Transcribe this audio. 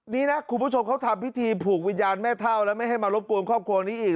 นี้นะคุณผู้ชมเขาทำพิธีผูกวิญญาณแม่เท่าแล้วไม่ให้มารบกวนครอบครัวนี้อีก